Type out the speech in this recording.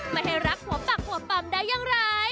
ไม่ให้รักหัวปักหัวปำได้อย่างไร